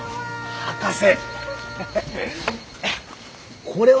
博士！